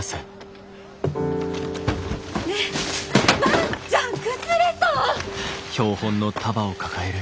ねえ万ちゃん崩れそう！